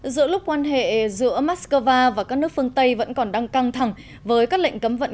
giữa lúc quan hệ giữa moscow và các nước phương tây vẫn còn đang căng thẳng với các lệnh cấm vận